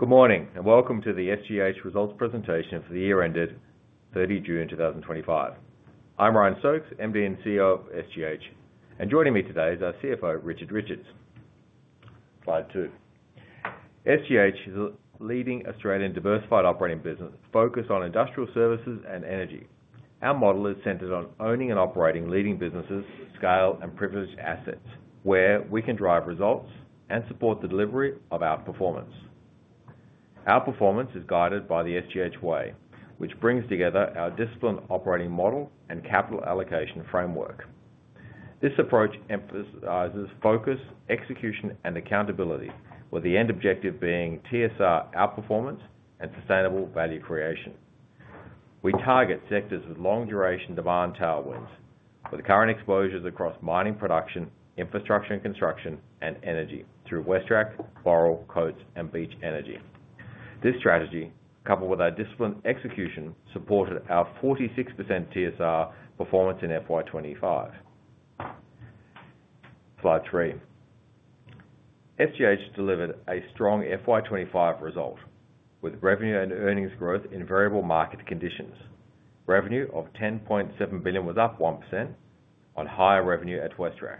Good morning and welcome to the SGH results presentation for the year-ended 30 June 2025. I'm Ryan Stokes, Managing Director and CEO of SGH, and joining me today is our CFO, Richard Richards. Slide two. SGH is a leading Australian diversified operating business focused on industrial services and energy. Our model is centered on owning and operating leading businesses, scale, and privileged assets, where we can drive results and support the delivery of our performance. Our performance is guided by the SGH Way, which brings together our disciplined operating model and capital allocation framework. This approach emphasizes focus, execution, and accountability, with the end objective being TSR outperformance and sustainable value creation. We target sectors with long-duration demand tailwinds, with current exposures across mining production, infrastructure and construction, and energy through WesTrac, Boral, Coates, and Beach Energy. This strategy, coupled with our disciplined execution, supported our 46% TSR performance in FY 2025. Slide three. SGH delivered a strong FY 2025 result with revenue and earnings growth in variable market conditions. Revenue of A$10.7 billion was up 1% on higher revenue at WesTrac.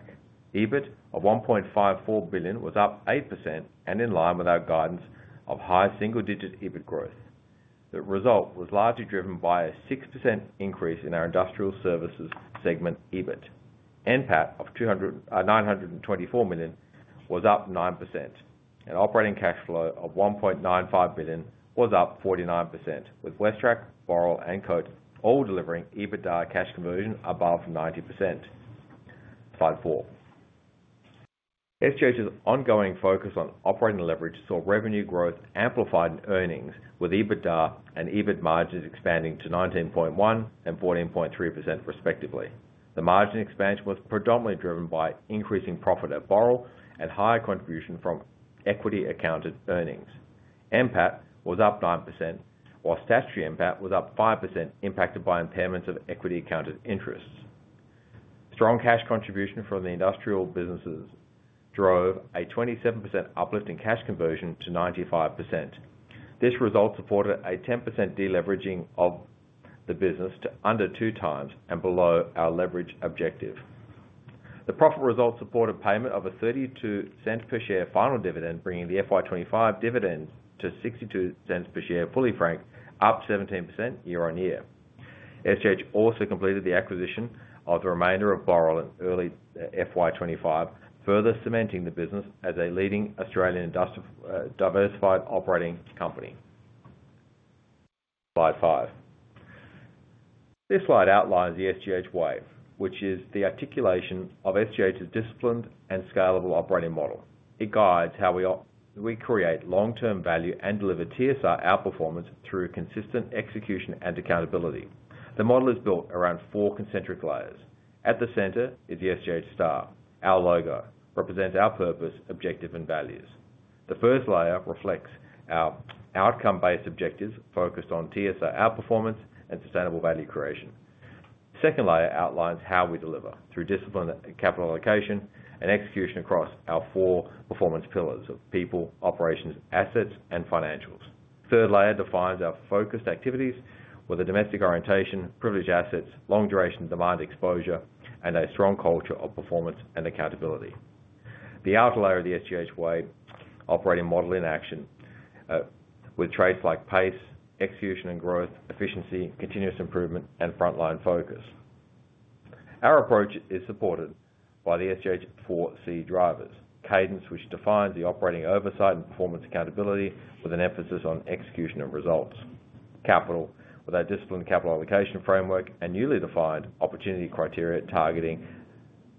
EBIT of $1.54 billion was up 8% and in line with our guidance of high single-digit EBIT growth. The result was largely driven by a 6% increase in our industrial services segment EBIT. NPAT of A$924 million was up 9% and operating cash flow of A$1.95 billion was up 49%, with WesTrac, Boral, and Coates all delivering EBITDA cash conversion above 90%. Slide four. SGH's ongoing focus on operating leverage saw revenue growth amplified in earnings, with EBITDA and EBIT margins expanding to 19.1% and 14.3% respectively. The margin expansion was predominantly driven by increasing profit at Boral and higher contribution from equity accounted earnings. NPAT was up 9%, while statutory NPAT was up 5% impacted by impairments of equity accounted interests. Strong cash contribution from the industrial businesses drove a 27% uplift in cash conversion to 95%. This result supported a 10% deleveraging of the business to under two times and below our leverage objective. The profit result supported payment of a $0.32 per share final dividend, bringing the FY 2025 dividend to $0.62 per share fully franked, up 17% year-on-year. SGH also completed the acquisition of the remainder of Boral in early FY 2025, further cementing the business as a leading Australian diversified operating company. Slide five. This slide outlines the SGH Way, which is the articulation of SGH's disciplined and scalable operating model. It guides how we create long-term value and deliver TSR outperformance through consistent execution and accountability. The model is built around four concentric layers. At the center is the SGH star, our logo, which represents our purpose, objective, and values. The first layer reflects our outcome-based objectives focused on TSR outperformance and sustainable value creation. The second layer outlines how we deliver through discipline and capital allocation and execution across our four performance pillars of people, operations, assets, and financials. The third layer defines our focused activities with a domestic orientation, privileged assets, long-duration demand exposure, and a strong culture of performance and accountability. The outer layer is the SGH Way operating model in action, with traits like pace, execution and growth, efficiency, continuous improvement, and frontline focus. Our approach is supported by the SGH 4C drivers: Cadence, which defines the operating oversight and performance accountability with an emphasis on execution and results; Capital, with a disciplined capital allocation framework and newly defined opportunity criteria targeting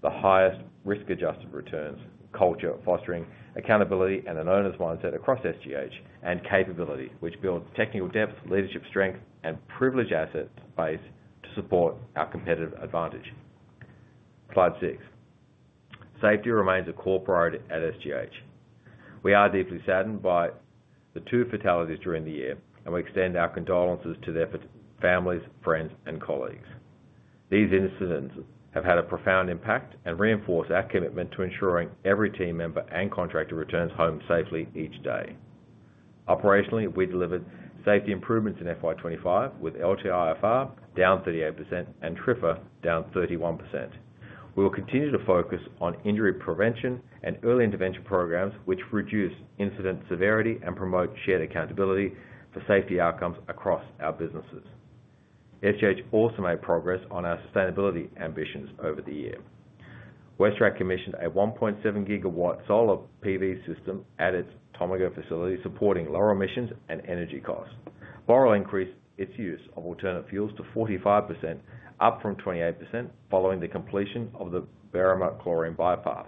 the highest risk-adjusted returns; Culture, fostering accountability and an owners' mindset across SGH; and Capability, which builds technical depth, leadership strength, and privileged assets base to support our competitive advantage. Slide six. Safety remains a core priority at SGH. We are deeply saddened by the two fatalities during the year, and we extend our condolences to their families, friends, and colleagues. These incidents have had a profound impact and reinforce our commitment to ensuring every team member and contractor returns home safely each day. Operationally, we delivered safety improvements in FY 2025 with LTIFR down 38% and TRIFA down 31%. We will continue to focus on injury prevention and early intervention programs, which reduce incident severity and promote shared accountability for safety outcomes across our businesses. SGH also made progress on our sustainability ambitions over the year. WesTrac commissioned a 1.7 GW solar PV system at its Tomago facility, supporting lower emissions and energy costs. Boral increased its use of alternate fuels to 45%, up from 28% following the completion of the Berrima-Kiln bypass.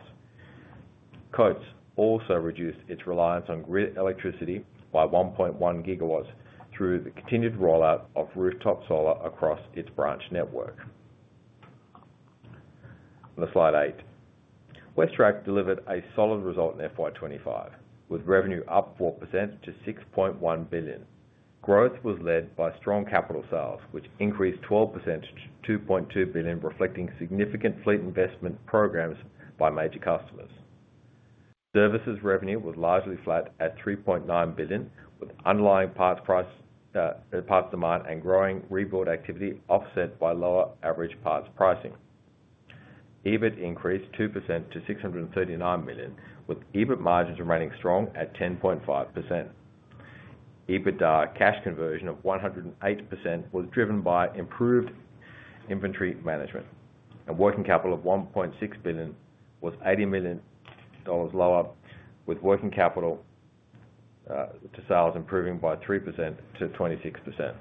Coates also reduced its reliance on grid electricity by 1.1 gigawatts through the continued rollout of rooftop solar across its branch network. On slide eight, WesTrac delivered a solid result in FY 2025, with revenue up 4% to $6.1 billion. Growth was led by strong capital sales, which increased 12% to $2.2 billion, reflecting significant fleet investment programs by major customers. Services revenue was largely flat at $3.9 billion, with underlying parts demand and growing rebuild activity offset by lower average parts pricing. EBIT increased 2% to A$639 million, with EBIT margins remaining strong at 10.5%. EBITDA cash conversion of 108% was driven by improved inventory management. Working capital of A$1.6 billion was A$80 million lower, with working capital to sales improving by 3% to 26%.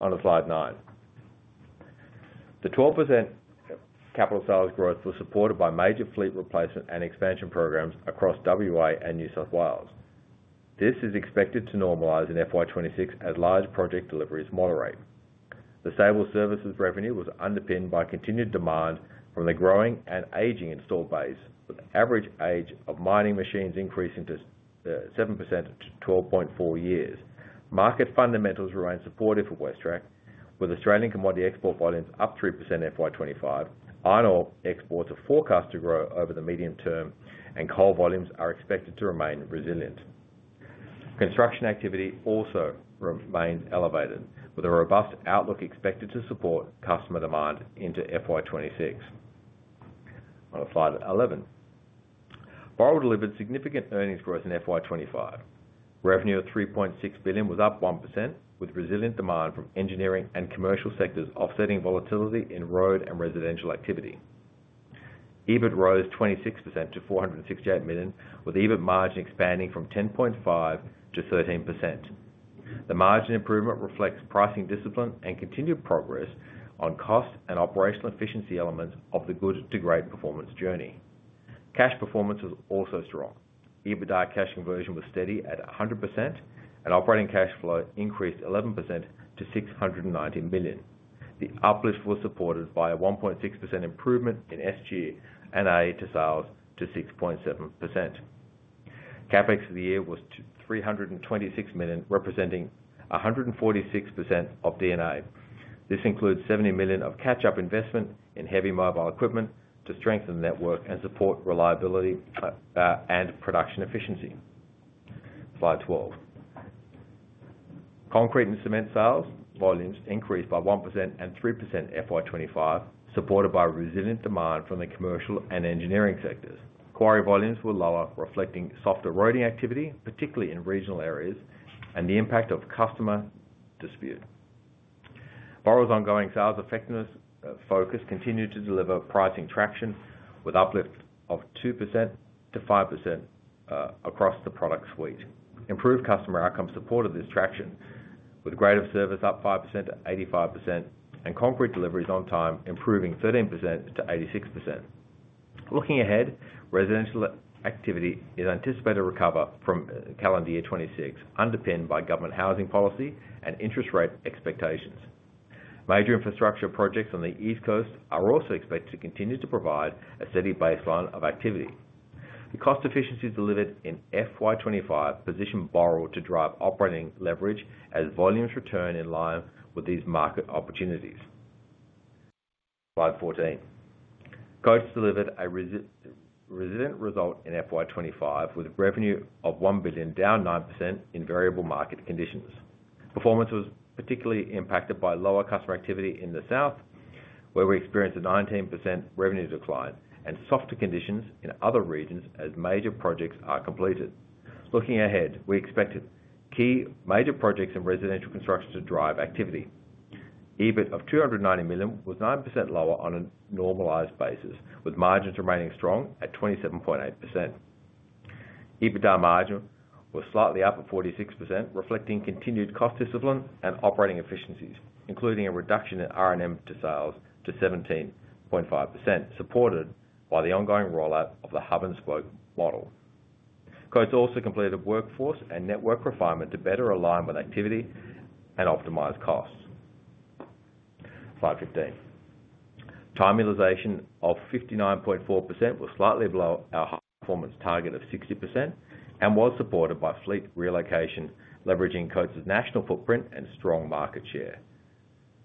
On slide nine, the 12% capital sales growth was supported by major fleet replacement and expansion programs across WA and New South Wales. This is expected to normalize in FY 2026 as large project deliveries moderate. The stable services revenue was underpinned by continued demand from the growing and aging installed base, with the average age of mining machines increasing 7% to 12.4 years. Market fundamentals remain supportive for WesTrac, with Australian commodity export volumes up 3% in FY 2025. Iron ore exports are forecast to grow over the medium term, and coal volumes are expected to remain resilient. Construction activity also remains elevated, with a robust outlook expected to support customer demand into FY 2026. On slide eleven, Boral delivered significant earnings growth in FY 2025. Revenue A$3.6 billion was up 1%, with resilient demand from engineering and commercial sectors offsetting volatility in road and residential activity. EBIT rose 26% to A$468 million, with EBIT margin expanding from 10.5% to 13%. The margin improvement reflects pricing discipline and continued progress on cost and operational efficiency elements of the good-to-great performance journey. Cash performance was also strong. EBITDA cash conversion was steady at 100%, and operating cash flow increased 11% to A$690 million. The uplift was supported by a 1.6% improvement in SG&A to sales to 6.7%. CapEx for the year was A$326 million, representing 146% of DNA. This includes A$70 million of catch-up investment in heavy mobile equipment to strengthen the network and support reliability and production efficiency. Slide twelve. Concrete and cement sales volumes increased by 1% and 3% in FY 2025, supported by resilient demand from the commercial and engineering sectors. Quarry volumes were lower, reflecting softer roading activity, particularly in regional areas, and the impact of customer dispute. Boral's ongoing sales effectiveness focus continued to deliver pricing traction, with uplift of 2% to 5% across the product suite. Improved customer outcomes supported this traction, with grade of service up 5% to 85% and concrete deliveries on time improving 13% to 86%. Looking ahead, residential activity is anticipated to recover from calendar year 2026, underpinned by government housing policy and interest rate expectations. Major infrastructure projects on the East Coast are also expected to continue to provide a steady baseline of activity. The cost efficiencies delivered in FY 2025 positioned Boral to drive operating leverage as volumes return in line with these market opportunities. Slide 14. Coates delivered a resilient result in FY 2025, with revenue of A$1 billion, down 9% in variable market conditions. Performance was particularly impacted by lower customer activity in the southern regions, where we experienced a 19% revenue decline and softer conditions in other regions as major projects are completed. Looking ahead, we expect key major projects in residential construction to drive activity. EBIT of A$290 million was 9% lower on a normalised basis, with margins remaining strong at 27.8%. EBITDA margin was slightly up at 46%, reflecting continued cost discipline and operating efficiencies, including a reduction in R&M to sales to 17.5%, supported by the ongoing rollout of the hub and spoke model. Coates also completed a workforce and network refinement to better align with activity and optimise costs. Slide 15. Time utilization of 59.4% was slightly below our performance target of 60% and was supported by fleet relocation, leveraging Coates' national footprint and strong market share.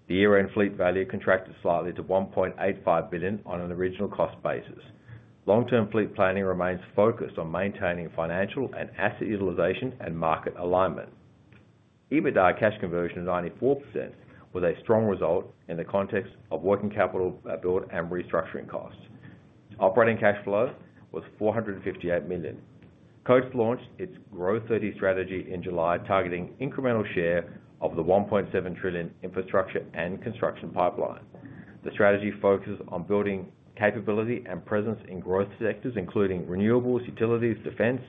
The year-end fleet value contracted slightly to A$1.85 billion on an original cost basis. Long-term fleet planning remains focused on maintaining financial and asset utilization and market alignment. EBITDA cash conversion of 94% was a strong result in the context of working capital build and restructuring costs. Operating cash flow was A$458 million. Coates launched its Growth30 strategy in July, targeting incremental share of the A$1.7 trillion infrastructure and construction pipeline. The strategy focuses on building capability and presence in growth sectors, including renewables, utilities, defence,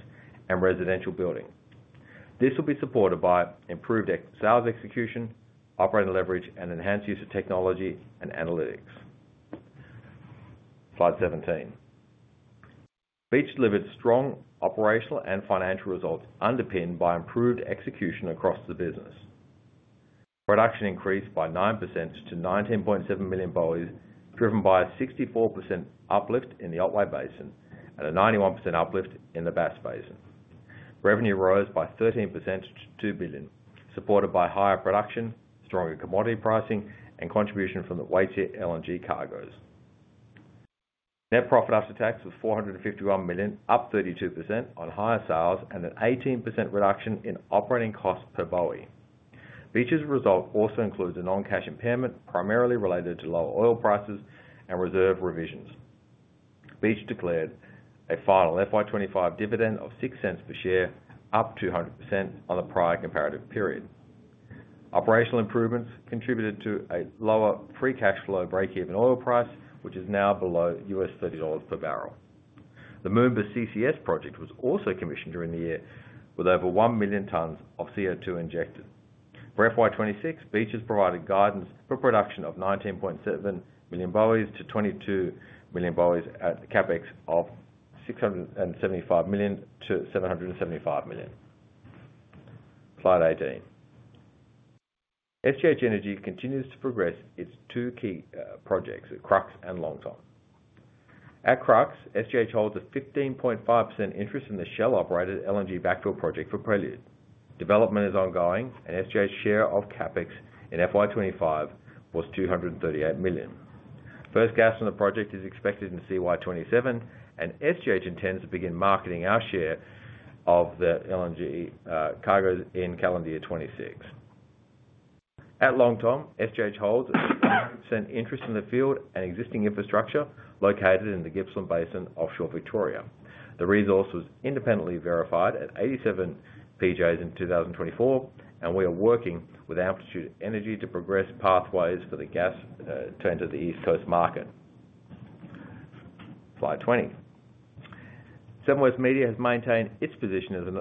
and residential building. This will be supported by improved sales execution, operating leverage, and enhanced use of technology and analytics. Slide 17. Beach delivered strong operational and financial results underpinned by improved execution across the business. Production increased by 9% to 19.7 million BOE, driven by a 64% uplift in the Otway Basin and a 91% uplift in the Bass Basin. Revenue rose by 13% to A$2 billion, supported by higher production, stronger commodity pricing, and contribution from the Waitsia LNG cargoes. Net profit after tax was A$451 million, up 32% on higher sales and an 18% reduction in operating costs per BOE. Beach's result also includes a non-cash impairment primarily related to lower oil prices and reserve revisions. Beach declared a final FY 2025 dividend of $0.06 per share, up 200% on the prior comparative period. Operational improvements contributed to a lower free cash flow break-even oil price, which is now below U.S. $30 per barrel. The Moomba CCS project was also commissioned during the year, with over 1 million tons of CO2 injected. For FY 2026, Beach has provided guidance for production of 19.7 million BOE to 22 million BOE at CapEx of $675 million to $775 million. Slide 18. SGH Energy continues to progress its two key projects at Crux and Longtom. At Crux, SGH holds a 15.5% interest in the Shell-operated LNG backfill project for Prelude. Development is ongoing, and SGH's share of CapEx in FY 2025 was A$238 million. First gas from the project is expected in CY27, and SGH intends to begin marketing our share of the LNG cargoes in calendar year 2026. At Longtom, SGH holds a percent interest in the field and existing infrastructure located in the Gippsland Basin offshore Victoria. The resource was independently verified at 87 PJ in 2024, and we are working with Amplitude Energy to progress pathways for the gas to enter the East Coast market. Slide 20. 7 West Media has maintained its position as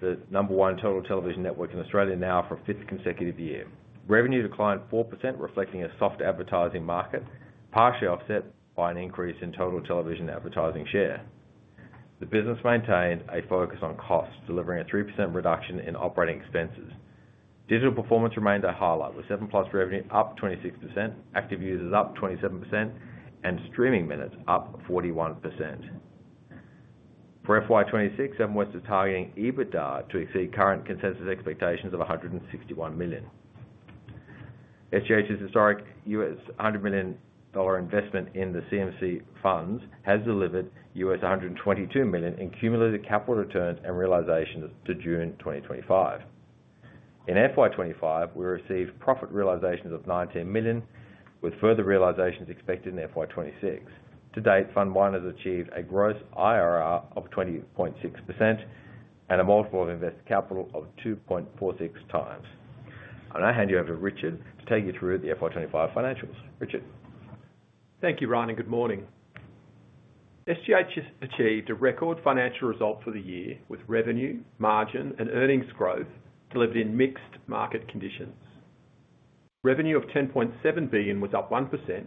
the number one total television network in Australia now for a fifth consecutive year. Revenue declined 4%, reflecting a soft advertising market partially offset by an increase in total television advertising share. The business maintained a focus on costs, delivering a 3% reduction in operating expenses. Digital performance remains a highlight, with 7 Plus revenue up 26%, active users up 27%, and streaming minutes up 41%. For FY 2026, 7 West Media is targeting EBITDA to exceed current consensus expectations of $161 million. Seven Group Holdings' historic US $100 million investment in the CMC funds has delivered US $122 million in cumulative capital returns and realisations to June 2025. In FY 2025, we received profit realisations of $19 million, with further realisations expected in FY 2026. To date, fund managers achieved a gross IRR of 20.6% and a multiple of invested capital of 2.46x. I'm now handing you over to Richard Richards to take you through the FY 2025 financials. Richard. Thank you, Ryan, and good morning. SGH achieved a record financial result for the year with revenue, margin, and earnings growth delivered in mixed market conditions. Revenue of A$10.7 billion was up 1%,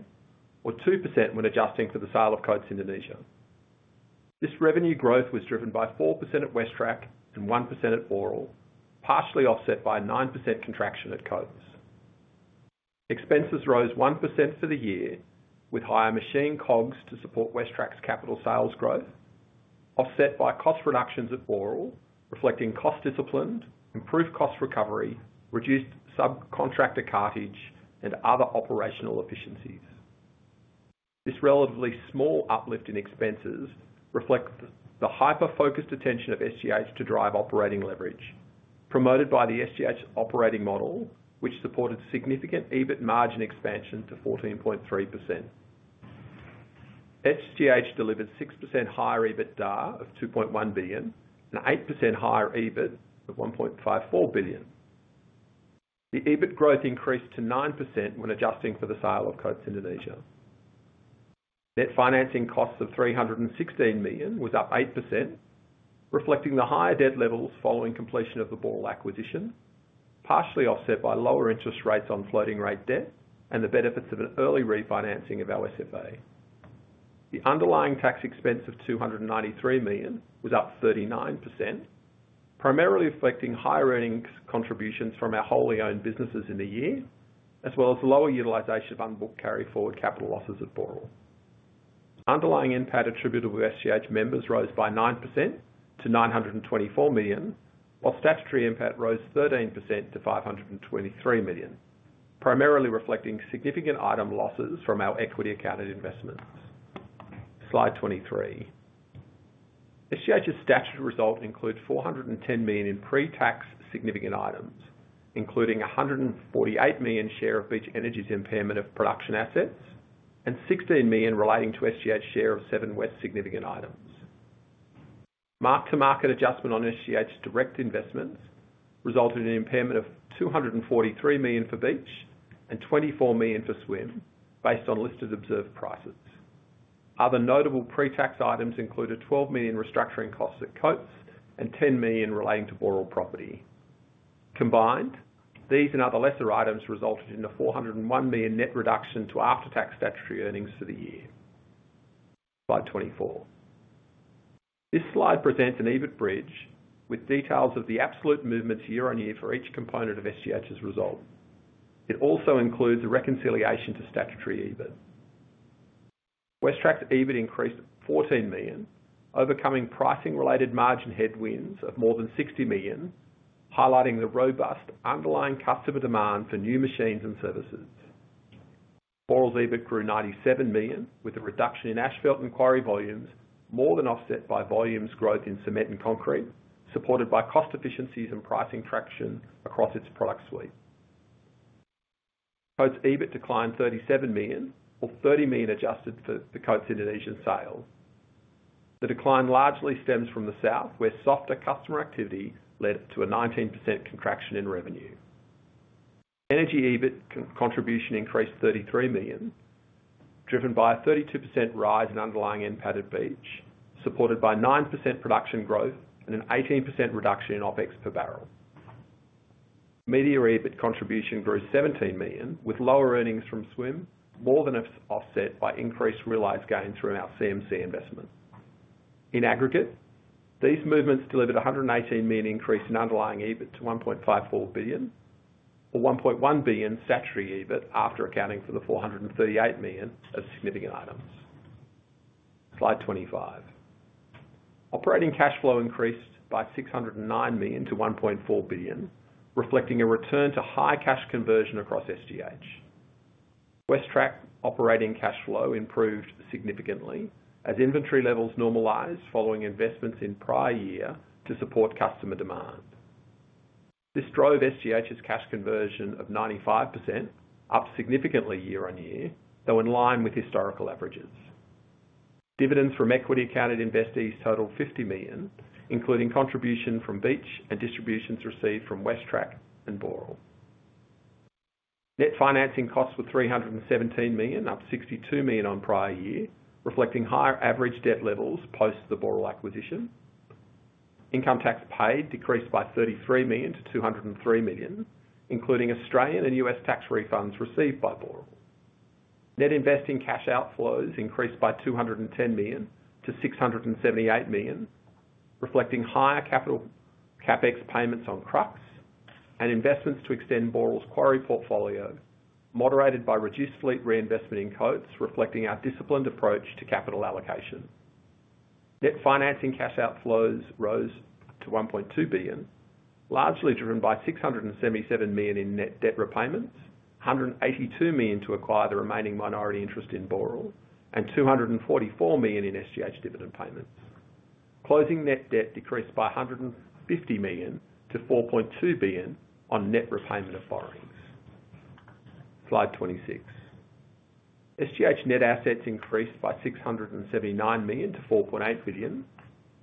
or 2% when adjusting for the sale of Coates Indonesia. This revenue growth was driven by 4% at WesTrac and 1% at Boral, partially offset by a 9% contraction at Coates. Expenses rose 1% for the year, with higher machine COGS to support WesTrac's capital sales growth, offset by cost reductions at Boral, reflecting cost discipline, improved cost recovery, reduced subcontractor cartage, and other operational efficiencies. This relatively small uplift in expenses reflects the hyper-focused attention of SGH to drive operating leverage, promoted by the SGH operating model, which supported significant EBIT margin expansion to 14.3%. SGH delivered 6% higher EBITDA of A$2.1 billion and 8% higher EBIT of A$1.54 billion. The EBIT growth increased to 9% when adjusting for the sale of Coates Indonesia. Net financing costs of A$316 million was up 8%, reflecting the higher debt levels following completion of the Boral acquisition, partially offset by lower interest rates on floating rate debt and the benefits of an early refinancing of our SFA. The underlying tax expense of A$293 million was up 39%, primarily reflecting higher earnings contributions from our wholly owned businesses in the year, as well as lower utilization of unbooked carry-forward capital losses at Boral. Underlying NPAT attributable to SGH members rose by 9% to A$924 million, while statutory NPAT rose 13% to A$523 million, primarily reflecting significant item losses from our equity accounted investments. Slide 23. SGH's statutory result includes A$410 million in pre-tax significant items, including a A$148 million share of Beach Energy's impairment of production assets and A$16 million relating to SGH's share of 7 West Media significant items. Marked to market adjustment on SGH's direct investments resulted in an impairment of A$243 million for Beach Energy and A$24 million for Swim based on listed observed prices. Other notable pre-tax items included A$12 million restructuring costs at Coates and A$10 million relating to Boral property. Combined, these and other lesser items resulted in a A$401 million net reduction to after-tax statutory earnings for the year. Slide 24. This slide presents an EBIT bridge with details of the absolute movements year on year for each component of SGH's result. It also includes a reconciliation to statutory EBIT. WesTrac's EBIT increased $14 million, overcoming pricing-related margin headwinds of more than $60 million, highlighting the robust underlying customer demand for new machines and services. Boral's EBIT grew $97 million with a reduction in asphalt and quarry volumes, more than offset by volume growth in cement and concrete, supported by cost efficiencies and pricing traction across its product suite. Coates' EBIT declined $37 million, or $30 million adjusted for Coates Indonesia sale. The decline largely stems from the southern regions, where softer customer activity led to a 19% contraction in revenue. Energy EBIT contribution increased $33 million, driven by a 32% rise in underlying NPAT at Beach, supported by 9% production growth and an 18% reduction in OpEx per barrel. Media EBIT contribution grew $17 million, with lower earnings from Seven West Media, more than offset by increased realized gains from our CMC investment. In aggregate, these movements delivered a $118 million increase in underlying EBIT to $1.54 billion, or $1.1 billion statutory EBIT after accounting for the $438 million as significant items. Slide 25. Operating cash flow increased by $609 million to $1.4 billion, reflecting a return to high cash conversion across SGH. WesTrac operating cash flow improved significantly as inventory levels normalized following investments in prior year to support customer demand. This drove SGH's cash conversion of 95%, up significantly year on year, though in line with historical averages. Dividends from equity accounted investees totaled $50 million, including contribution from Beach and distributions received from WesTrac and Boral. Net financing costs were $317 million, up $62 million on prior year, reflecting higher average debt levels post the Boral acquisition. Income tax paid decreased by $33 million to $203 million, including Australian and U.S. tax refunds received by Boral. Net investing cash outflows increased by $210 million to $678 million, reflecting higher capital CapEx payments on Crux LNG project and investments to extend Boral's quarry portfolio, moderated by reduced fleet reinvestment in Coates, reflecting our disciplined approach to capital allocation. Net financing cash outflows rose to $1.2 billion, largely driven by $677 million in net debt repayments, $182 million to acquire the remaining minority interest in Boral, and $244 million in SGH dividend payments. Closing net debt decreased by A$150 million to A$4.2 billion on net repayment of borrowings. Slide 26. SGH net assets increased by A$679 million to A$4.8 billion,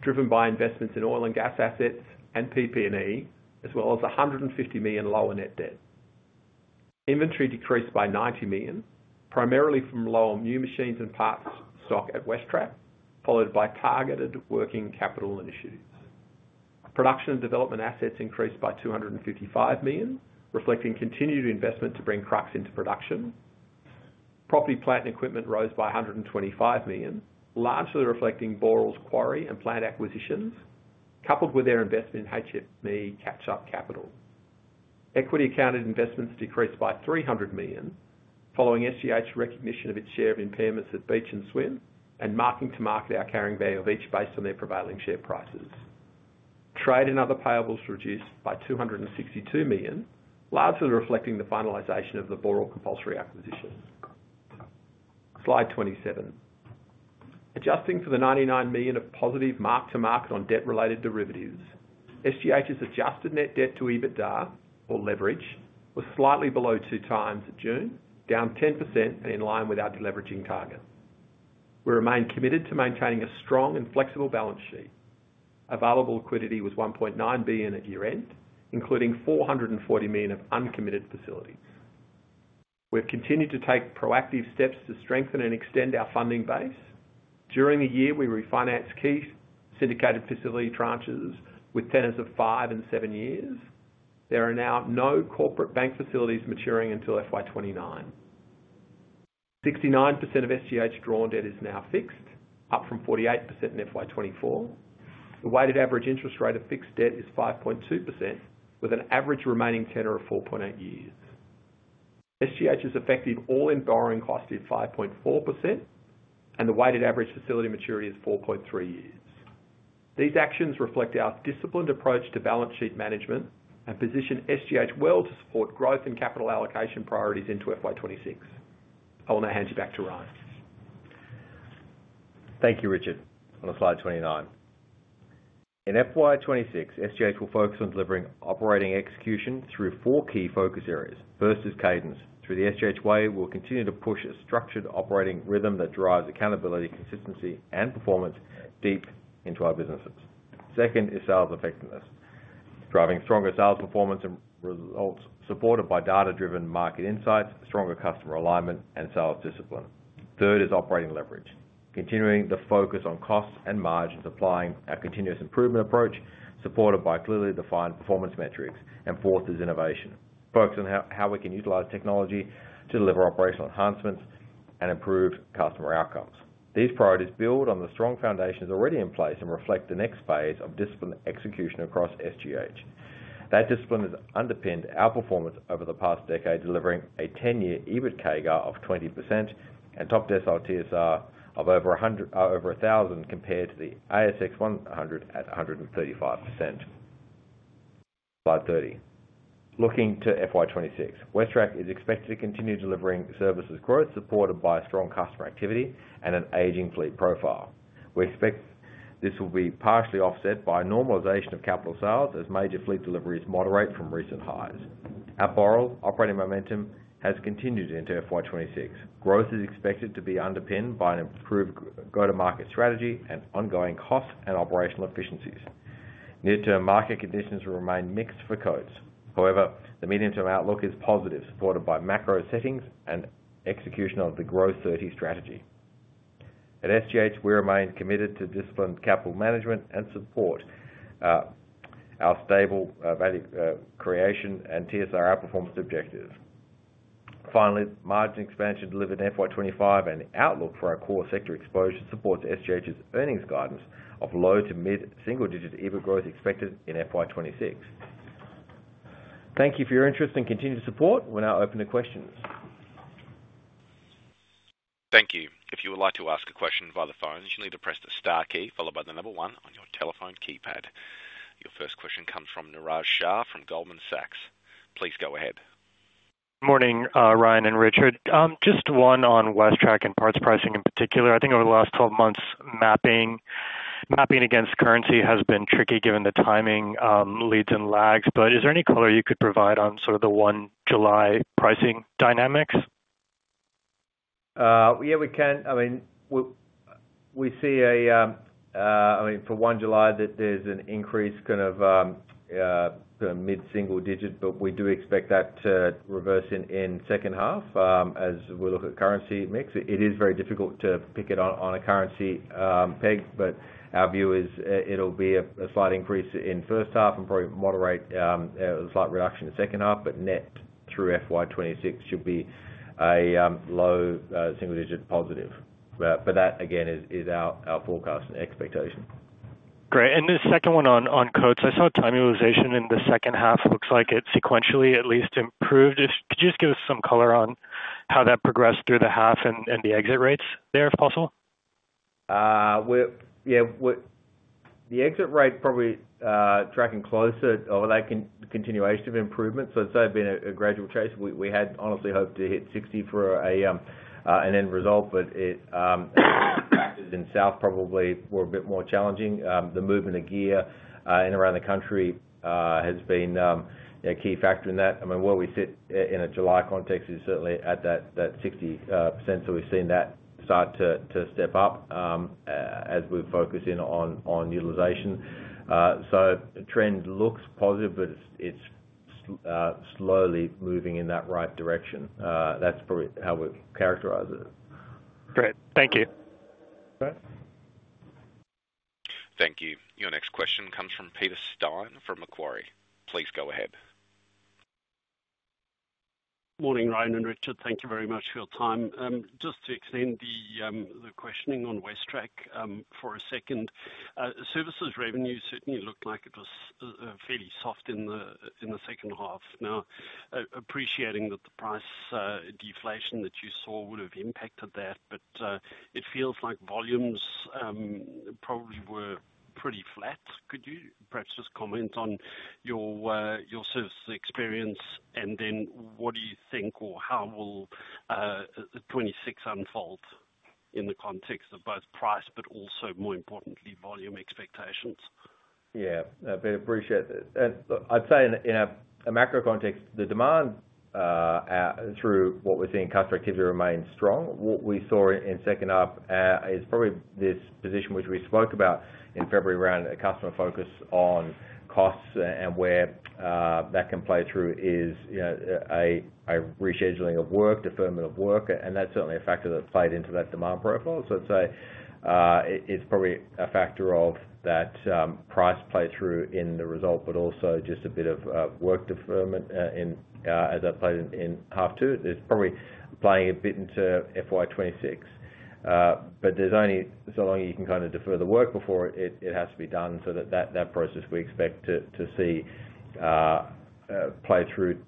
driven by investments in oil and gas assets and PP&E, as well as A$150 million lower net debt. Inventory decreased by A$90 million, primarily from lower new machines and parts stock at WesTrac, followed by targeted working capital initiatives. The production and development assets increased by A$255 million, reflecting continued investment to bring Crux LNG project into production. Property, plant and equipment rose by A$125 million, largely reflecting Boral's quarry and plant acquisitions, coupled with their investment in HME catch-up capital. Equity accounted investments decreased by A$300 million, following SGH recognition of its share of impairments at Beach Energy and Seven West Media and marking to market our carrying value of each based on their prevailing share prices. Trade and other payables reduced by A$262 million, largely reflecting the finalization of the Boral compulsory acquisition. Slide 27. Adjusting for the A$99 million of positive mark-to-market on debt-related derivatives, SGH's adjusted net debt to EBITDA, or leverage, was slightly below 2 times at June, down 10% and in line with our leverage target. We remain committed to maintaining a strong and flexible balance sheet. Available liquidity was A$1.9 billion at year-end, including A$440 million of uncommitted facilities. We've continued to take proactive steps to strengthen and extend our funding base. During the year, we refinanced key syndicated facility tranches with tenors of five and seven years. There are now no corporate bank facilities maturing until FY 2029. 69% of SGH's drawn debt is now fixed, up from 48% in FY 2024. The weighted average interest rate of fixed debt is 5.2%, with an average remaining tenor of 4.8 years. SGH's effective all-in borrowing cost is 5.4%, and the weighted average facility maturity is 4.3 years. These actions reflect our disciplined approach to balance sheet management and position SGH well to support growth and capital allocation priorities into FY 2026. I will now hand you back to Ryan. Thank you, Richard. On the slide 29. In FY 2026, SGH will focus on delivering operating execution through four key focus areas. First is Cadence. Through the SGH Way, we'll continue to push a structured operating rhythm that drives accountability, consistency, and performance deep into our businesses. Second is Sales Effectiveness, driving stronger sales performance and results supported by data-driven market insights, stronger customer alignment, and sales discipline. Third is Operating Leverage, continuing the focus on costs and margins, applying our continuous improvement approach supported by clearly defined performance metrics. Fourth is Innovation, focusing on how we can utilize technology to deliver operational enhancements and improve customer outcomes. These priorities build on the strong foundations already in place and reflect the next phase of disciplined execution across SGH. That discipline has underpinned our performance over the past decade, delivering a 10-year EBIT CAGR of 20% and top decile TSR of over 1,000% compared to the ASX 100 at 135%. Slide 30. Looking to FY 2026, WesTrac is expected to continue delivering services growth supported by strong customer activity and an aging fleet profile. We expect this will be partially offset by normalization of capital sales as major fleet deliveries moderate from recent highs. At Boral, operating momentum has continued into FY 2026. Growth is expected to be underpinned by an improved go-to-market strategy and ongoing cost and operational efficiencies. Near-term market conditions will remain mixed for Coates. However, the medium-term outlook is positive, supported by macro settings and execution of the Growth30 strategy. At SGH, we remain committed to disciplined capital management and support our stable value creation and TSR outperformance objectives. Finally, margin expansion delivered in FY 2025 and the outlook for our core sector exposure supports SGH's earnings guidance of low to mid-single-digit EBIT growth expected in FY 2026. Thank you for your interest and continued support. We're now open to questions. Thank you. If you would like to ask a question via the phone, you need to press the star key followed by the number one on your telephone keypad. Your first question comes from Niraj Shah from Goldman Sachs. Please go ahead. Morning, Ryan and Richard. Just one on WesTrac and parts pricing in particular. I think over the last 12 months, mapping against currency has been tricky given the timing, leads, and lags. Is there any color you could provide on sort of the 1 July pricing dynamics? Yeah, we can. I mean, we see for 1 July that there's an increase, kind of mid-single digit, but we do expect that to reverse in second half as we look at currency mix. It is very difficult to pick it on a currency peg, but our view is it'll be a slight increase in first half and probably moderate a slight reduction in second half. Net through FY 2026 should be a low single digit positive. That again is our forecast and expectation. Great. The second one on Coates, I saw a time utilization in the second half. Looks like it sequentially at least improved. Could you just give us some color on how that progressed through the half and the exit rates there if possible? Yeah, the exit rate probably tracking closer over that continuation of improvement. It's been a gradual chase. We had honestly hoped to hit 60% for an end result, but in the south probably we're a bit more challenging. The movement of gear in and around the country has been a key factor in that. I mean, where we sit in a July context is certainly at that 60%. We've seen that start to step up as we focus in on utilization. The trend looks positive, but it's slowly moving in that right direction. That's probably how we characterize it. Great. Thank you. Thank you. Your next question comes from Peter Styn from Macquarie. Please go ahead. Morning, Ryan and Richard. Thank you very much for your time. Just to extend the questioning on WesTrac for a second, services revenue certainly looked like it was fairly soft in the second half. Now, appreciating that the price deflation that you saw would have impacted that, it feels like volumes probably were pretty flat. Could you perhaps just comment on your service experience and then what do you think or how will 2026 unfold in the context of both price, but also more importantly, volume expectations? Yeah, I appreciate that. I'd say in a macro context, the demand through what we're seeing in customer activity remains strong. What we saw in second half is probably this position which we spoke about in February around a customer focus on costs, and where that can play through is, you know, a rescheduling of work, deferment of work, and that's certainly a factor that played into that demand profile. I'd say it's probably a factor of that price play through in the result, but also just a bit of work deferment as that played in half two. It's probably playing a bit into FY 2026, but there's only so long you can kind of defer the work before it has to be done. That process we expect to see play through,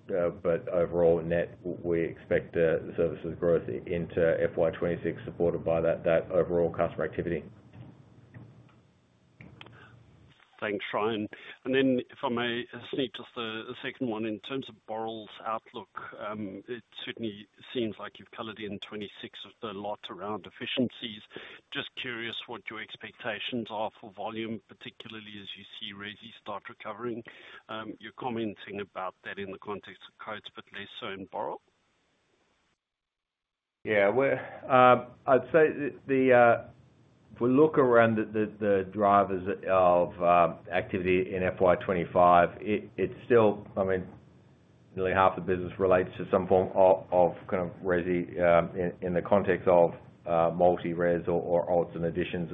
but overall net we expect the services growth into FY 2026 supported by that overall customer activity. Thanks, Ryan. If I may, just the second one in terms of Boral's outlook, it certainly seems like you've colored in 2026 a lot around efficiencies. Just curious what your expectations are for volume, particularly as you see resi start recovering. You're commenting about that in the context of Coates, but less so in Boral. Yeah, I'd say if we look around at the drivers of activity in FY 2025, it's still, I mean, nearly half the business relates to some form of kind of resi in the context of multi-resi or alts and additions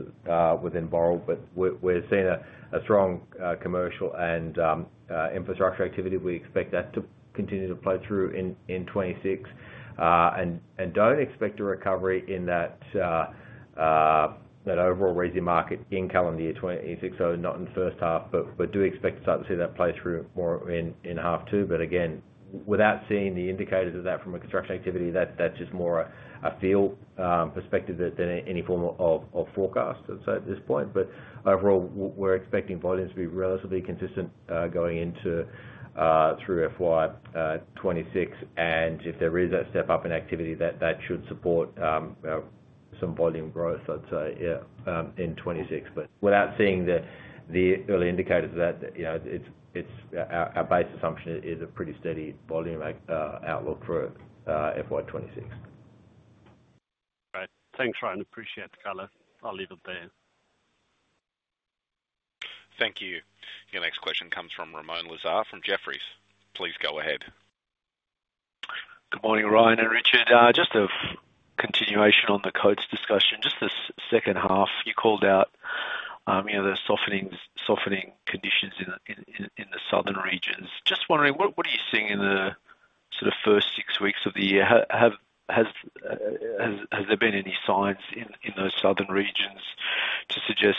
within Boral, but we're seeing a strong commercial and infrastructure activity. We expect that to continue to play through in 2026 and don't expect a recovery in that overall resi market income in the year 2026. Not in the first half, but we do expect to start to see that play through more in half two. Again, without seeing the indicators of that from a construction activity, that's just more a feel perspective than any form of forecast at this point. Overall, we're expecting volumes to be relatively consistent going into through FY 20 2026. If there is that step up in activity, that should support some volume growth, I'd say, yeah, in 2026. Without seeing the early indicators of that, you know, it's our base assumption is a pretty steady volume outlook for FY26. Thanks, Ryan. I appreciate the color. I'll leave it there. Thank you. Your next question comes from Ramon Lazar from Jefferies. Please go ahead. Good morning, Ryan and Richard. Just a continuation on the Coates discussion. Just the second half, you called out the softening conditions in the southern regions. Just wondering, what are you seeing in the sort of first six weeks of the year? Has there been any signs in those southern regions to suggest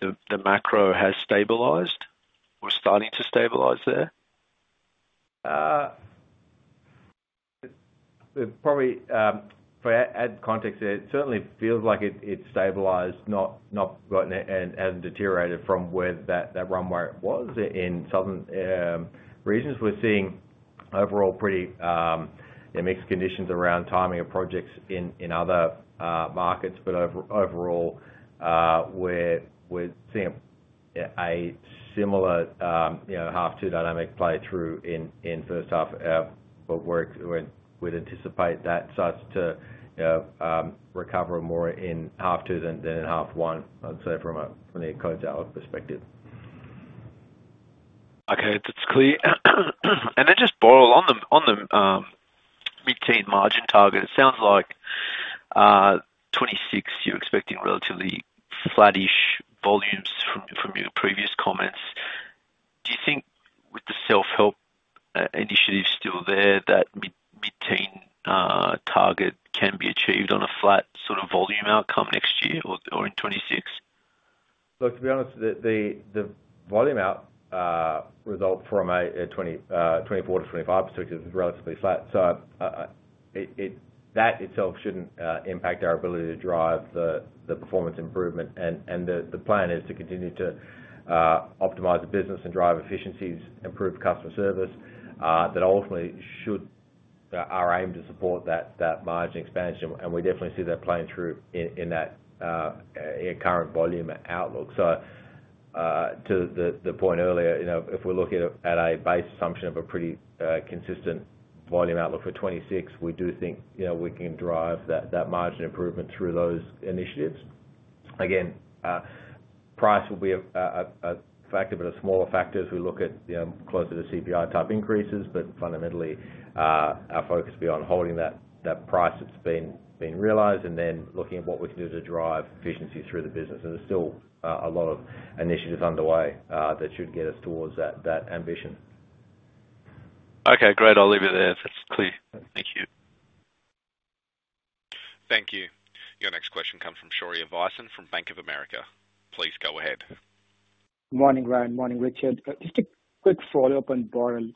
the macro has stabilized or is starting to stabilize there? Probably to add context, it certainly feels like it's stabilized, not gotten and hasn't deteriorated from where that runway was in southern regions. We're seeing overall pretty mixed conditions around timing of projects in other markets, but overall, we're seeing a similar half two dynamic play through in first half. We'd anticipate that starts to recover more in half two than in half one, I'd say from the Coates outlook perspective. Okay, that's clear. Just on the mid-term margin target, it sounds like 2026, you're expecting relatively flattish volumes from your previous comments. Do you think with the self-help initiative still there, that mid-term target can be achieved on a flat sort of volume outcome next year or in 2026? Look, to be honest, the volume out result from a 2024-2025 perspective is relatively flat. That itself shouldn't impact our ability to drive the performance improvement. The plan is to continue to optimize the business and drive efficiencies, improve customer service that ultimately should aim to support that margin expansion. We definitely see that playing through in that current volume outlook. To the point earlier, if we're looking at a base assumption of a pretty consistent volume outlook for 2026, we do think we can drive that margin improvement through those initiatives. Price will be a factor, but a smaller factor as we look at closer to CPI type increases. Fundamentally, our focus will be on holding that price that's been realized and then looking at what we can do to drive efficiency through the business. There's still a lot of initiatives underway that should get us towards that ambition. Okay, great. I'll leave you there. That's clear. Thank you. Thank you. Your next question comes from Shaurya Visen from Bank of America. Please go ahead. Morning, Ryan. Morning, Richard. Just a quick follow-up on Boral.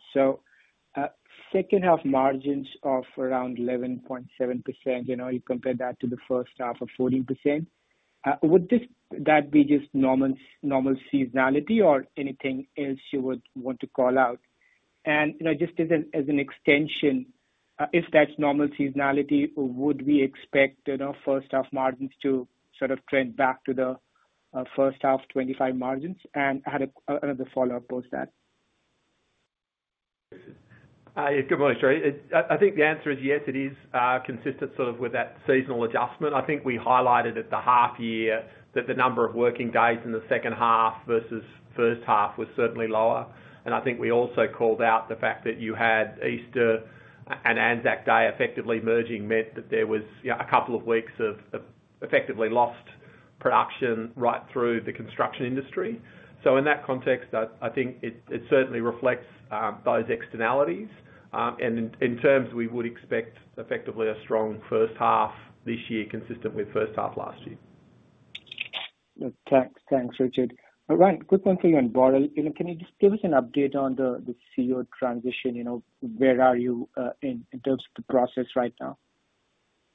Second half margins of around 11.7%. You compare that to the first half of 14%. Would that be just normal seasonality or anything else you would want to call out? Just as an extension, if that's normal seasonality, would we expect first half margins to sort of trend back to the first half 25 margins? I had another follow-up post that. Good morning, Shaurya. I think the answer is yes, it is consistent with that seasonal adjustment. I think we highlighted at the half year that the number of working days in the second half versus first half was certainly lower. I think we also called out the fact that you had Easter and Anzac Day effectively merging, which meant that there was a couple of weeks of effectively lost production right through the construction industry. In that context, I think it certainly reflects those externalities. In terms, we would expect effectively a strong first half this year consistent with first half last year. Thanks, Richard. Ryan, quick one for you on Boral. Can you just give us an update on the CEO transition? You know, where are you in terms of the process right now?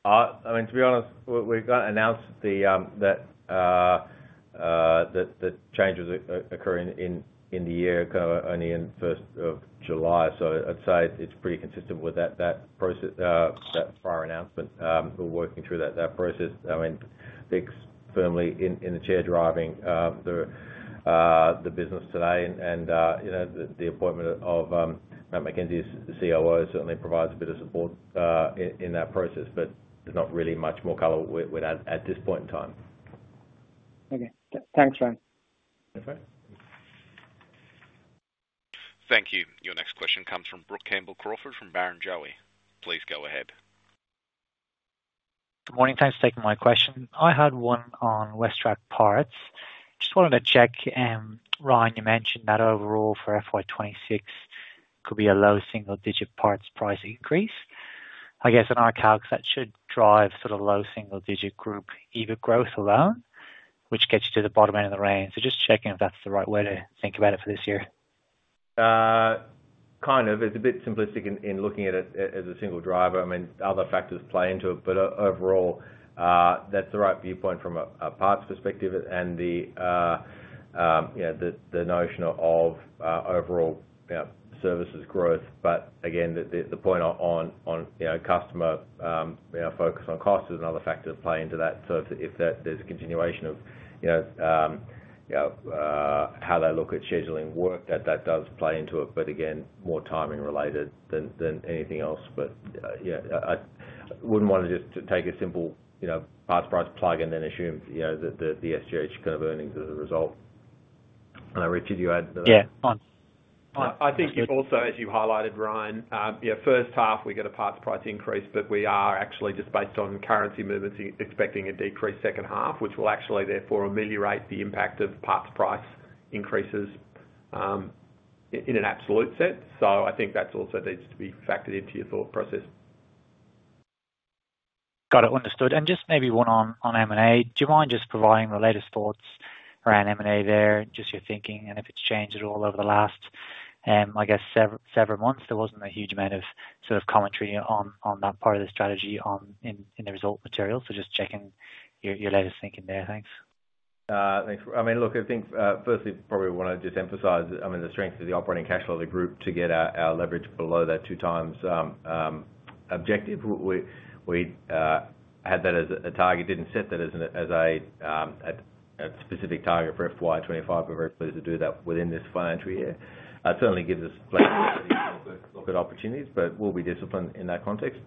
I mean, to be honest, we've got to announce that the change was occurring in the year, kind of only in the first of July. I'd say it's pretty consistent with that process, that prior announcement. We're working through that process. I'm firmly in the chair driving the business today, and you know, the appointment of Matt McKenzie, the COO, certainly provides a bit of support in that process. There's not really much more color at this point in time. Okay, thanks, Ryan. Thank you. Your next question comes from Brooke Campbell-Crawford from Barrenjoey. Please go ahead. Good morning. Thanks for taking my question. I had one on WesTrac parts. Just wanted to check, Ryan, you mentioned that overall for FY 2026 could be a low single-digit parts price increase. I guess in our calculations, that should drive sort of low single-digit group EBIT growth alone, which gets you to the bottom end of the range. Just checking if that's the right way to think about it for this year. Kind of. It's a bit simplistic in looking at it as a single driver. I mean, other factors play into it. Overall, that's the right viewpoint from a parts perspective and the notion of overall services growth. The point on customer focus on cost is another factor that plays into that. If there's a continuation of how they look at scheduling work, that does play into it. More timing related than anything else. I wouldn't want to just take a simple parts price plug and then assume that the SGH kind of earnings as a result. Richard, you had. Yeah, fine. I think it's also, as you highlighted, Ryan, you know, first half we get a parts price increase, but we are actually, just based on currency movements, expecting a decreased second half, which will actually therefore ameliorate the impact of parts price increases in an absolute sense. I think that also needs to be factored into your thought process. Got it. Understood. Maybe one on M&A. Do you mind just providing the latest thoughts around M&A there, just your thinking, and if it's changed at all over the last, I guess, several months? There wasn't a huge amount of commentary on that part of the strategy in the result material. Just checking your latest thinking there. Thanks. I mean, look, I think firstly, probably want to just emphasize the strength of the operating cash flow of the group to get our leverage below that two times objective. We had that as a target, didn't set that as a specific target for FY 2025, but we're very pleased to do that within this financial year. It certainly gives us plenty of opportunities, but we'll be disciplined in that context.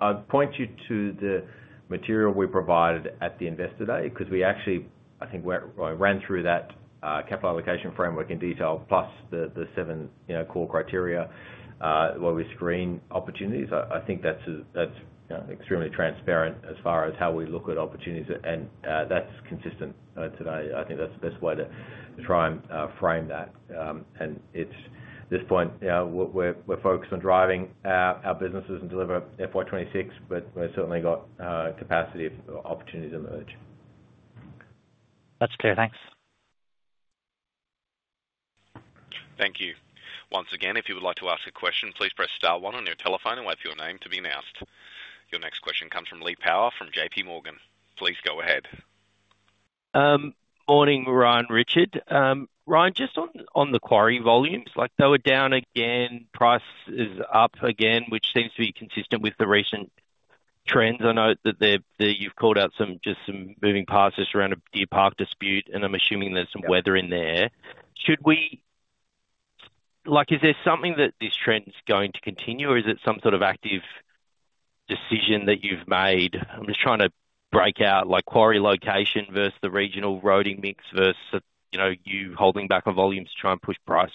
I'd point you to the material we provided at the investor day because we actually, I think, ran through that capital allocation framework in detail, plus the seven core criteria where we screen opportunities. I think that's extremely transparent as far as how we look at opportunities, and that's consistent today. I think that's the best way to try and frame that. At this point, we're focused on driving our businesses and deliver FY 2026, but we've certainly got capacity opportunities emerge. That's clear. Thanks. Thank you. Once again, if you would like to ask a question, please press star one on your telephone and wait for your name to be announced. Your next question comes from Lee Power from JPMorgan. Please go ahead. Morning, Ryan, Richard. Ryan, just on the quarry volumes, they were down again, price is up again, which seems to be consistent with the recent trends. I know that you've called out some moving past this around a Deer Park dispute, and I'm assuming there's some weather in there. Should we, is there something that this trend is going to continue, or is it some sort of active decision that you've made? I'm just trying to break out quarry location versus the regional roading mix versus you holding back on volumes to try and push price.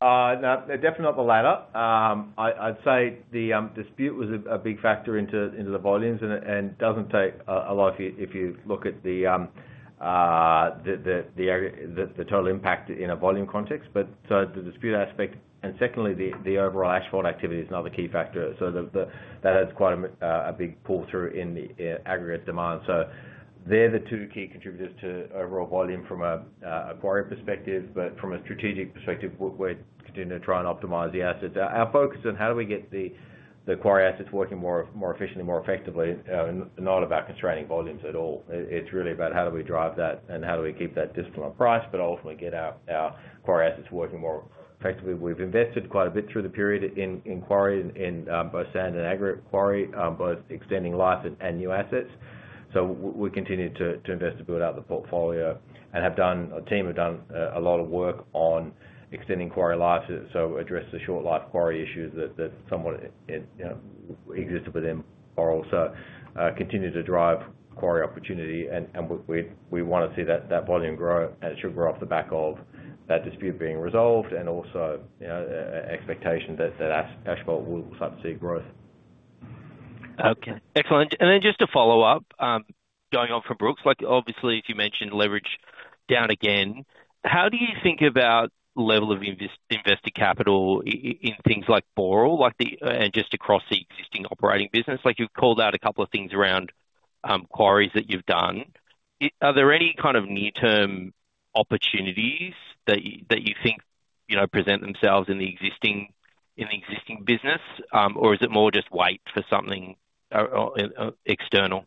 No, definitely not the latter. I'd say the dispute was a big factor into the volumes, and it doesn't take a lot if you look at the total impact in a volume context. The dispute aspect, and secondly, the overall asphalt activity is another key factor. That adds quite a big pull-through in the aggregate demand. They're the two key contributors to overall volume from a quarry perspective. From a strategic perspective, we're continuing to try and optimize the assets. Our focus is on how do we get the quarry assets working more efficiently, more effectively, not about constraining volumes at all. It's really about how do we drive that and how do we keep that discipline on price, but ultimately get our quarry assets working more effectively. We've invested quite a bit through the period in quarry in both sand and aggregate quarry, both extending life and new assets. We continue to invest to build out the portfolio and have done, our team have done a lot of work on extending quarry life, to address the short life quarry issues that somewhat existed within Boral. We continue to drive quarry opportunity, and we want to see that volume grow, and it should grow off the back of that dispute being resolved and also an expectation that asphalt will start to see growth. Okay, excellent. Just to follow up, going on from Brooks, like obviously as you mentioned, leverage down again. How do you think about the level of invested capital in things like Boral, like the, and just across the existing operating business? You've called out a couple of things around quarries that you've done. Are there any kind of near-term opportunities that you think present themselves in the existing business, or is it more just wait for something external?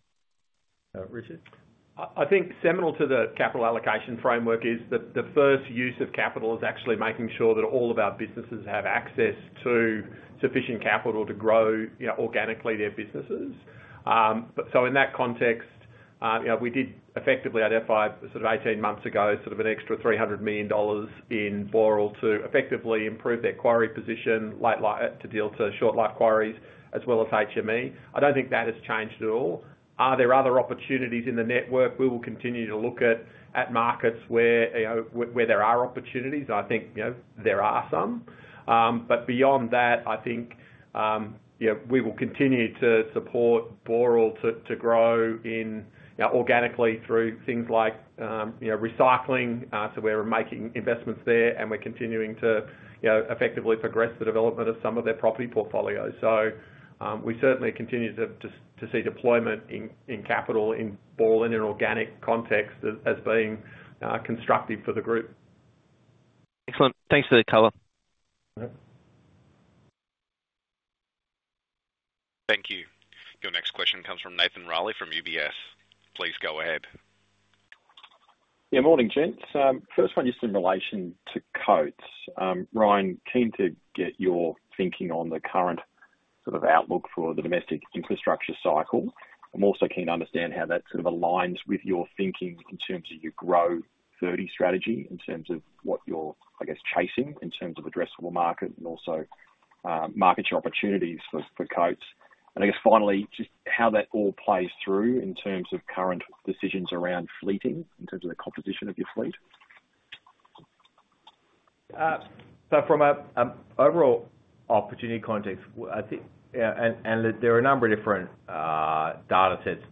I think seminal to the capital allocation framework is that the first use of capital is actually making sure that all of our businesses have access to sufficient capital to grow organically their businesses. In that context, we did effectively identify sort of 18 months ago an extra A$300 million in Boral to effectively improve their quarry position to deal to short life quarries as well as HME. I don't think that has changed at all. Are there other opportunities in the network? We will continue to look at markets where there are opportunities. I think there are some. Beyond that, we will continue to support Boral to grow organically through things like recycling. We're making investments there, and we're continuing to effectively progress the development of some of their property portfolios. We certainly continue to see deployment in capital in Boral in an organic context as being constructive for the group. Excellent. Thanks for the color. Thank you. Your next question comes from Nathan Rielly from UBS. Please go ahead. Yeah, morning, James. First one, just in relation to Coates. Ryan, keen to get your thinking on the current sort of outlook for the domestic infrastructure cycle. I'm also keen to understand how that sort of aligns with your thinking in terms of your Growth30 strategy, in terms of what you're, I guess, chasing in terms of addressable market and also market share opportunities for Coates. I guess finally, just how that all plays through in terms of current decisions around fleeting, in terms of the composition of your fleet. From an overall opportunity context, I think there are a number of different data sets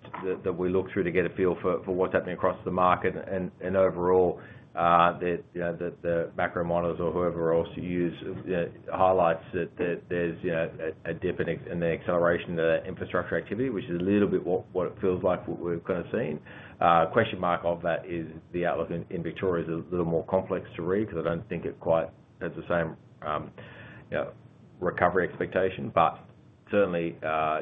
that we look through to get a feel for what's happening across the market. Overall, the macro models or whoever else you use highlights that there's a dip in the acceleration of infrastructure activity, which is a little bit what it feels like we're kind of seeing. The outlook in Victoria is a little more complex to read because I don't think it quite has the same recovery expectation. Certainly,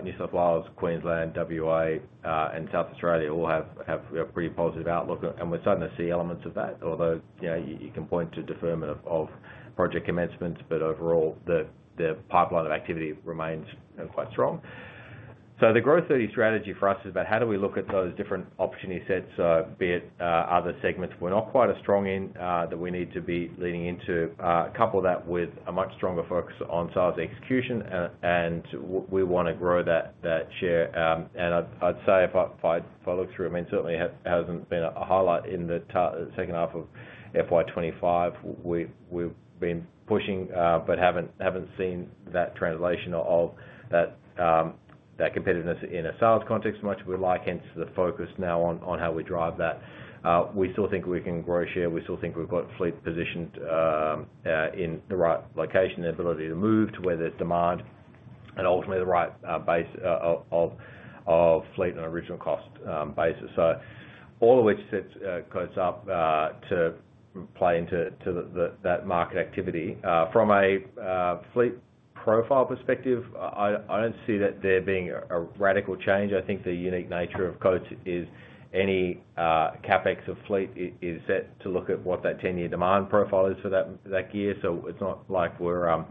New South Wales, Queensland, WA, and South Australia all have a pretty positive outlook. We're starting to see elements of that, although you can point to deferment of project commencements. Overall, the pipeline of activity remains quite strong. The Growth30 strategy for us is about how we look at those different opportunity sets, be it other segments we're not quite as strong in, that we need to be leaning into. Couple that with a much stronger focus on sales execution, and we want to grow that share. If I look through, certainly it hasn't been a highlight in the second half of FY 2025. We've been pushing but haven't seen that translation of that competitiveness in a sales context as much as we'd like. Hence, the focus now on how we drive that. We still think we can grow share. We still think we've got fleet positioned in the right location, the ability to move to where there's demand, and ultimately the right base of fleet and original cost basis. All of which sets Coates up to play into that market activity. From a fleet profile perspective, I don't see that there being a radical change. I think the unique nature of Coates is any CapEx of fleet is set to look at what that 10-year demand profile is for that gear. It's not like the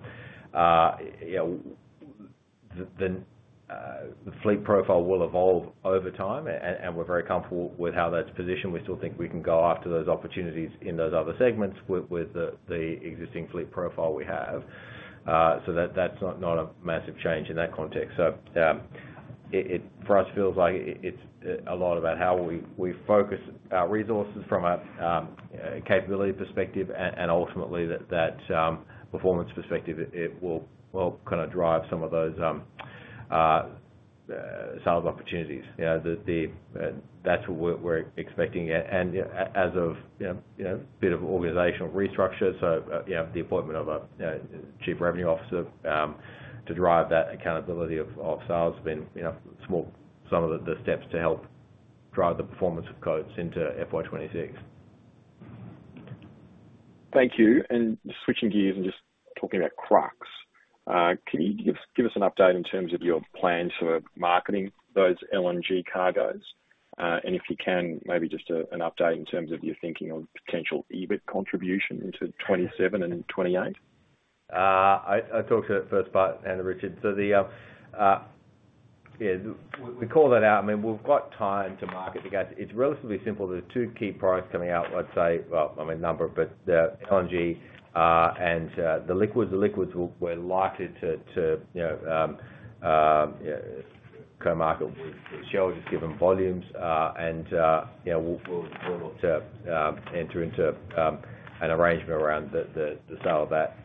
fleet profile will evolve over time, and we're very comfortable with how that's positioned. We still think we can go after those opportunities in those other segments with the existing fleet profile we have. That's not a massive change in that context. For us, it feels like it's a lot about how we focus our resources from a capability perspective and ultimately that performance perspective. It will drive some of those sales opportunities. That's what we're expecting. As of a bit of an organizational restructure, the appointment of a Chief Revenue Officer to drive that accountability of sales has been some of the steps to help drive the performance of Coates into FY 2026. Thank you. Switching gears and just talking about Crux LNG project, can you give us an update in terms of your plans for marketing those LNG cargoes? If you can, maybe just an update in terms of your thinking on potential EBIT contribution into 2027 and 2028. I'll talk to that first part, Anna and Richard. We call that out. We've got time to market the gas. It's relatively simple. There are two key products coming out, let's say, the LNG and the liquids. The liquids we're likely to co-market with Shell just given volumes. We'll look to enter into an arrangement around the style of that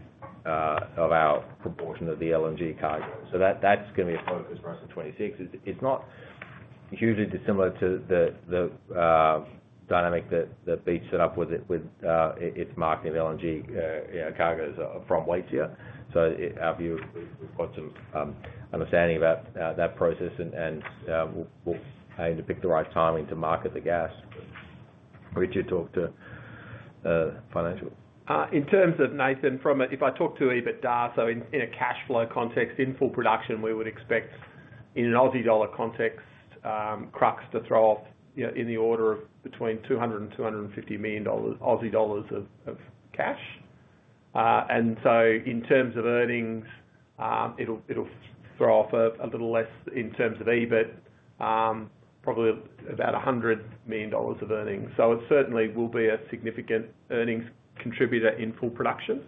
of our proportion of the LNG cargo. That's going to be a focus for us for 2026. It's not hugely dissimilar to the dynamic that Beach set up with its marketing of LNG cargoes from Waitsia. Our view, we've got some understanding about that process and we'll aim to pick the right timing to market the gas. Richard, talk to financial. In terms of Nathan from it, if I talk to EBITDA, in a cash flow context, in full production, we would expect in an dollar context, Crux to throw off in the order of between A$200 million and A$250 million of cash. In terms of earnings, it'll throw off a little less in terms of EBIT, probably about A$100 million of earnings. It certainly will be a significant earnings contributor in full production.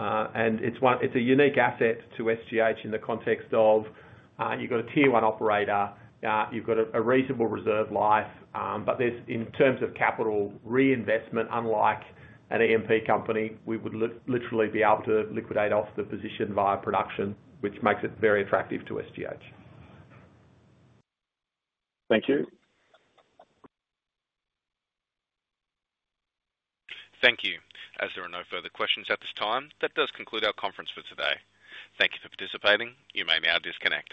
It's a unique asset to SGH in the context of you've got a tier one operator, you've got a reasonable reserve life. This, in terms of capital reinvestment, unlike an EMP company, we would literally be able to liquidate off the position via production, which makes it very attractive to SGH. Thank you. Thank you. As there are no further questions at this time, that does conclude our conference for today. Thank you for participating. You may now disconnect.